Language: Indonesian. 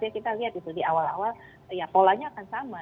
jadi awal awal polanya akan sama